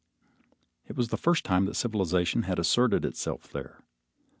It was the first time that civilization had asserted itself there.